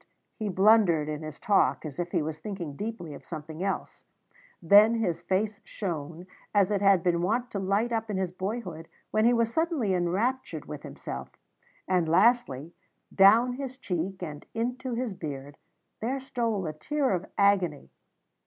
First, he blundered in his talk as if he was thinking deeply of something else; then his face shone as it had been wont to light up in his boyhood when he was suddenly enraptured with himself; and lastly, down his cheek and into his beard there stole a tear of agony.